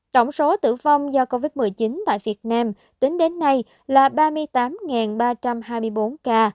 tổng số tử vong do covid một mươi chín tại việt nam tính đến nay là ba mươi tám ba trăm hai mươi bốn ca